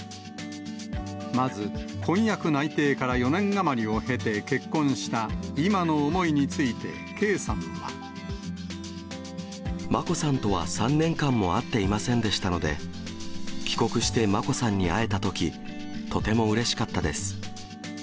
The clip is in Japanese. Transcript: まず、婚約内定から４年余りを経て結婚した今の思いについて圭さんは。眞子さんとは３年間も会っていませんでしたので、帰国して眞子さんに会えたとき、とてもうれしかったです。